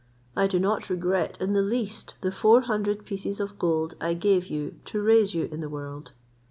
I do not regret in the least the four hundred pieces of gold I gave you to raise you in the world.